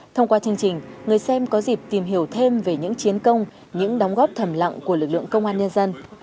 thông qua chương trình người xem có dịp tìm hiểu thêm về những chiến công những đóng góp thầm lặng của lực lượng công an nhân dân